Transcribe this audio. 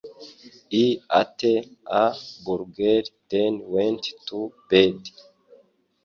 I ate a burger then went to bed